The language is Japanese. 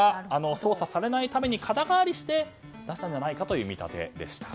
捜査されないために肩代わりして出したんじゃないかという見立てでした。